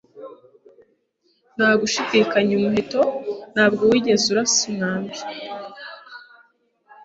Nta gushidikanya umuheto ntabwo wigeze urasa umwambi